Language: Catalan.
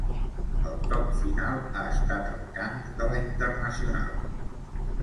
El toc final ha estat el cant de ‘La internacional’.